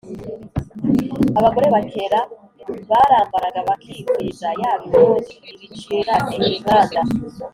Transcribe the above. abagore bakera barambaraga bakikwiza, yaba impuzu, ibicirane, inkanda